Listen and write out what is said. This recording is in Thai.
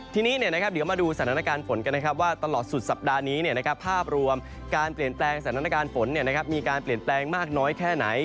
ทีนี้เนี่ยนะครับเดี๋ยวมาดูสถานการณ์ฝนกันนะครับว่าตลอดสุดสัปดาห์นี้เนี่ยนะครับภาพรวมการเปลี่ยนแปลงสถานการณ์ฝนเนี่ยนะครับมีการเปลี่ยนแปลงมากน้อยแค่ไหน